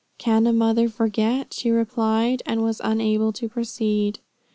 'Can a mother forget' she replied, and was unable to proceed.